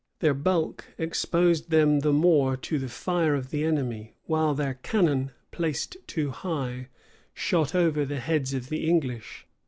Their bulk exposed them the more to the fire of the enemy; while their cannon, placed too high, shot over the heads of the English.